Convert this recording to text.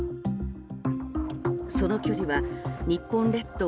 その距離は日本列島